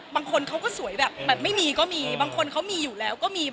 บางคนเขาก็สวยแบบไม่มีก็มีบางคนเขามีอยู่แล้วก็มี